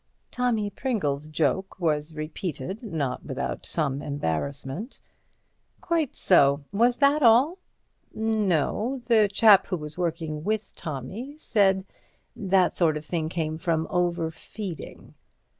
Tommy Pringle's joke was repeated, not without some embarrassment. "Quite so. Was that all?" "No. The chap who was working with Tommy said that sort of thing came from overfeeding."